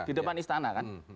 di depan istana kan